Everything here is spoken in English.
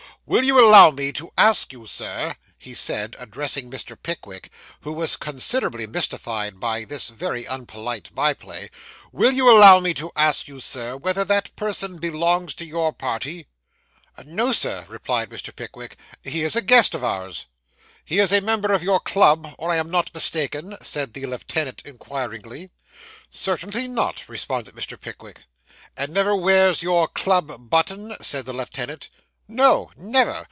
'Will you allow me to ask you, sir,' he said, addressing Mr. Pickwick, who was considerably mystified by this very unpolite by play 'will you allow me to ask you, Sir, whether that person belongs to your party?' 'No, Sir,' replied Mr. Pickwick, 'he is a guest of ours.' 'He is a member of your club, or I am mistaken?' said the lieutenant inquiringly. 'Certainly not,' responded Mr. Pickwick. 'And never wears your club button?' said the lieutenant. 'No never!